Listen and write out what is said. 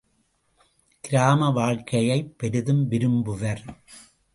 கிராம வாழ்க்கையைப் பெரிதும் விரும்புவர்.